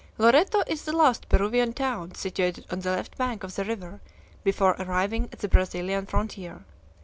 Loreto is the last Peruvian town situated on the left bank of the river before arriving at the Brazilian frontier.